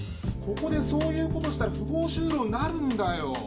ここでそういう事したら不法就労になるんだよ。